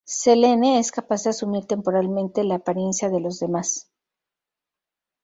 Selene es capaz de asumir temporalmente la apariencia de los demás.